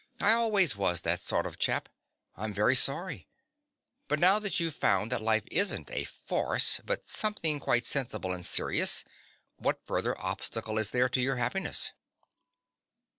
I always was that sort of chap. I'm very sorry. But now that you've found that life isn't a farce, but something quite sensible and serious, what further obstacle is there to your happiness?